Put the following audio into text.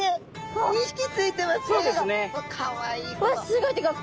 わあすごい！っていうか